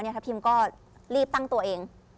ทัพพิมพ์ก็รีบตั้งตัวเอง